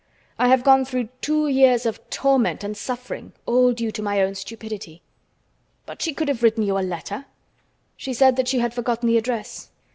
I have gone through two years of torment and suffering, all due to my own stupidity." "But she could have written you a letter." "She said that she had forgotten the address."